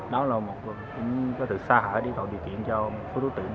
đó là một phần cũng có sự xa hở để gọi điều kiện cho phố thú tử